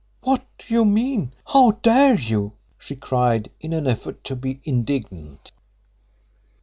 "What do you mean? How dare you?" she cried, in an effort to be indignant.